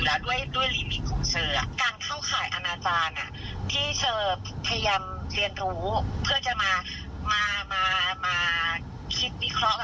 ว่าแบบไหนที่ไหนจะเข้าข่ายในสถานที่เพื่อนเราจะได้ไม่ทำ